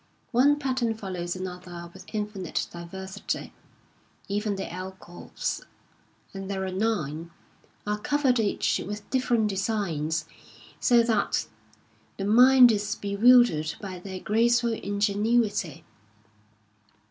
One pattern follows another with infinite diversity. Even the alcoves, and there are nine, are covered each with different designs, so that the mind is be wildered by their graceful ingenuity.